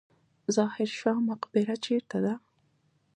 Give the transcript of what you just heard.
ظاهر شاه مقبره چیرته ده؟